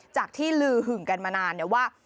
จากที่ลือหึ่งกันมานานว่า